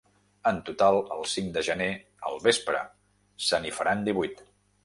En total, el cinc de gener al vespre se n’hi faran divuit.